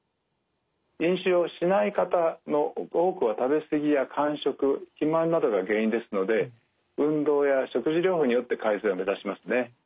飲酒をしない方の多くは食べすぎや間食肥満などが原因ですので運動や食事療法によって改善を目指しますね。